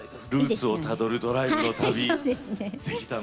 ルーツをたどるドライブの旅。